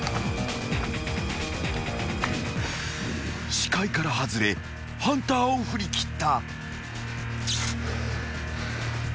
［視界から外れハンターを振り切った］